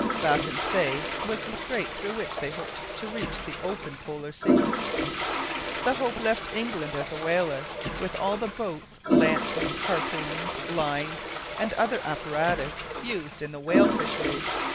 Baffin's Bay was the strait through which they hoped to reach the open polar sea. The Hope left England as a whaler, with all the boats, lances, harpoons, lines, and other apparatus used in the whale fishery.